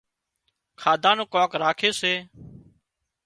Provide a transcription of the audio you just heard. کاڌا نُون ڪانڪ راکي سي